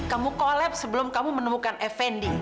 kamu kolaps sebelum kamu menemukan fnd